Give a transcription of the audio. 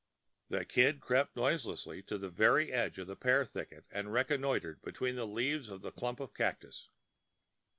The Kid crept noiselessly to the very edge of the pear thicket and reconnoitred between the leaves of a clump of cactus.